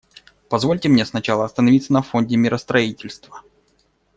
Позвольте мне сначала остановиться на Фонде миростроительства.